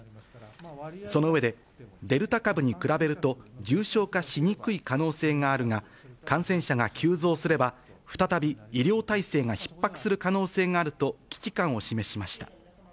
その上で、デルタ株に比べると重症化しにくい可能性があるが、感染者が急増すれば再び、医療体制がひっ迫する可能性があると、危機感を示しました。